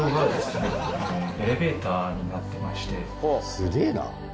すげぇな。